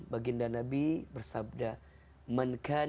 baginda nabi bersabda